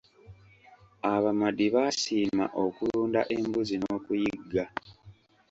Abamadi baasiima okulunda embuzi n'okuyigga.